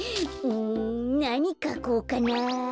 うんなにかこうかな。